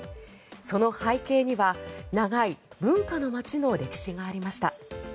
その背景には長い文化の街の歴史がありました。